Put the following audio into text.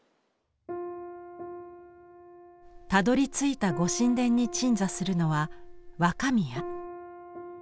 たどりついたご神殿に鎮座するのは若宮。